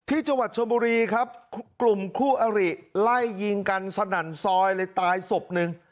จังหวัดชมบุรีครับกลุ่มคู่อริไล่ยิงกันสนั่นซอยเลยตายศพหนึ่ง